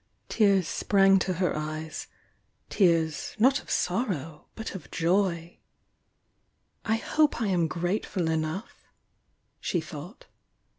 Tears sprang to her eyes — tears, not of sorrow, but of joy. "I hope I am grateful enough!" she thought.